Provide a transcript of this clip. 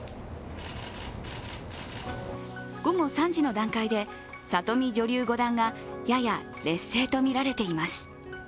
午後３時の段階で、里見女流五冠がやや劣勢とみられています。